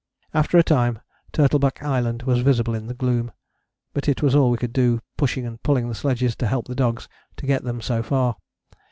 After a time Turtleback Island was visible in the gloom, but it was all we could do, pushing and pulling the sledges to help the dogs, to get them so far.